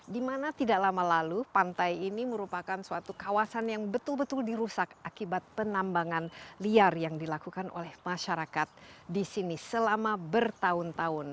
di mana tidak lama lalu pantai ini merupakan suatu kawasan yang betul betul dirusak akibat penambangan liar yang dilakukan oleh masyarakat di sini selama bertahun tahun